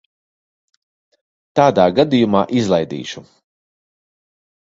Tādā gadījumā izlaidīšu.